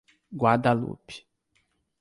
Guadalupe